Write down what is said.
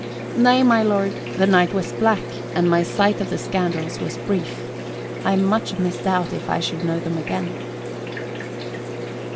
Nay, my lord, the night was black and my sight of the scoundrels was brief. I much misdoubt if I should know them again."